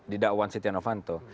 di dakwan setia novanto